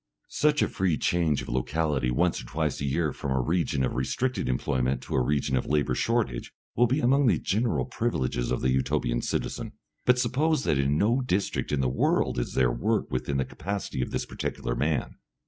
Such a free change of locality once or twice a year from a region of restricted employment to a region of labour shortage will be among the general privileges of the Utopian citizen. But suppose that in no district in the world is there work within the capacity of this particular man?